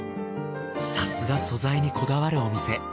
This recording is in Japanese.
さすが素材にこだわるお店。